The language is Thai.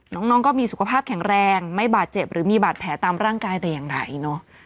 น้องก็มีสุขภาพแข็งแรงไม่บาดเจ็บหรือมีบาดแผลตามร่างกายแต่อย่างใดเนอะ